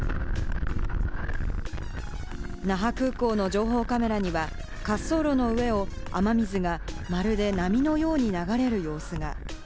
那覇空港の情報カメラには、滑走路の上を、雨水がまるで波のように流れる様子が。